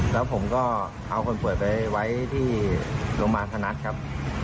แล้วผมก็เอาคนป่วยไปไว้ที่โรงพยาบาลพนัทครับ